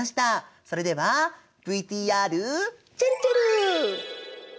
それではＶＴＲちぇるちぇる。